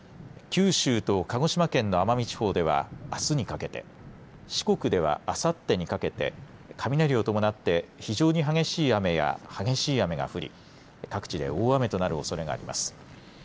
九州と鹿児島県の奄美地方ではあすにかけて、四国ではあさってにかけて雷を伴って非常に激しい雨が降り各地で大雨となるおそれがあります。